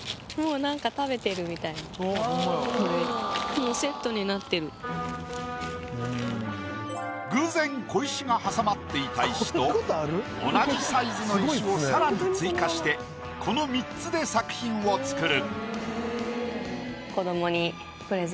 もう偶然小石が挟まっていた石と同じサイズの石を更に追加してこの３つで作品を作る。